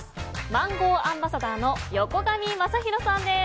マンゴーアンバサダーの横上昌宏さんです。